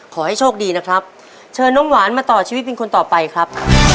ขอให้โชคดีนะครับเชิญน้องหวานมาต่อชีวิตเป็นคนต่อไปครับ